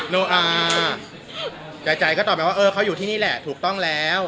ใจก็ตอบไปว่าเออเขาอยู่ที่นี่แหละถูกต้องแล้ว